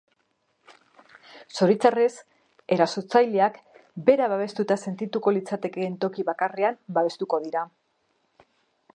Zoritxarrez, erasotzaileak bera babestuta sentituko litzatekeen toki bakarrean babestuko dira.